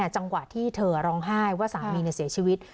จังหวะที่เธอร้องไห้ว่าสามีเสียชีวิต